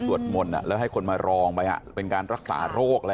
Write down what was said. ตรวจมนต์แล้วให้คนมารองไปเป็นการรักษาโรค